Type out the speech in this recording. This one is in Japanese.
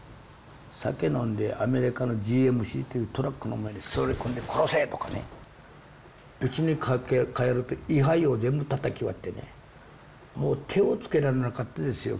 酒飲んでアメリカのＧＭＣというトラックの前で座り込んで「殺せ！」とかね。うちに帰ると位牌を全部たたき割ってねもう手をつけられなかったですよ